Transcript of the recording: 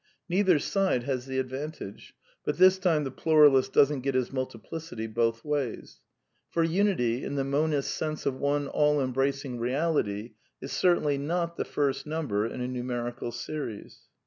Neither side has the advantage; but, this time, the pluralist doesn't get his \ multiplicity both ways. For unity, in the monist's sense \ of one all embracing Reality, is certainly not the first num \ber in a numerical series.